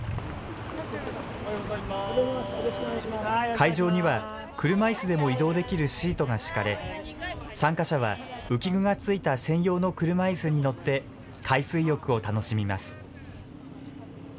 会場には、車いすでも移動できるシートが敷かれ、参加者は浮き具が付いた専用の車いすに乗って、海水浴を楽しみます。